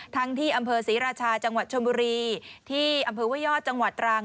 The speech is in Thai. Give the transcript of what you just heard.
ที่อำเภอศรีราชาจังหวัดชนบุรีที่อำเภอห้วยยอดจังหวัดตรัง